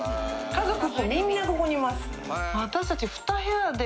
家族みんなここにいます。